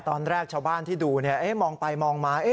ตอนแรกชาวบ้านที่ดูมองไปมองมา